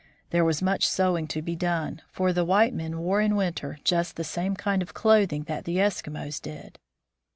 There was much sewing to be done, for the white men wore in winter just the same kind of clothing that the Eskimos did.